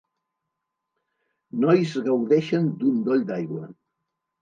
Nois gaudeixen d'un doll d'aigua.